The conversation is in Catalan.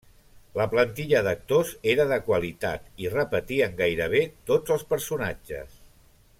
La plantilla d'actors era de qualitat i repetien gairebé tots els personatges.